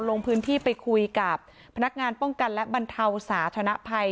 ลงพื้นที่ไปคุยกับพนักงานป้องกันและบรรเทาสาธนภัย